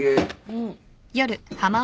うん。